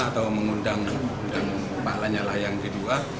atau mengundang pak lanyala yang kedua